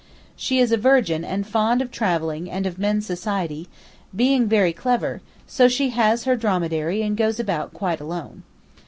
She is a virgin and fond of travelling and of men's society, being very clever, so she has her dromedary and goes about quite alone.